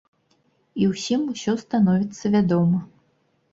І ўсім усё становіцца вядома.